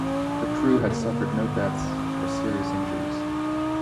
Her crew had suffered no deaths or serious injuries.